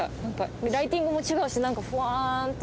ライティングも違うしなんかふわーんとして。